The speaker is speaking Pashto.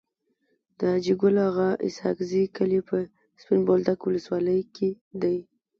د حاجي ګل اغا اسحق زي کلی په سپين بولدک ولسوالی کي دی.